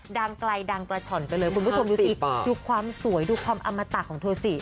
ดังไกลดังกระฉ่อนไปเลยคุณผู้ชมดูสิดูความสวยดูความอมตะของเธอสิ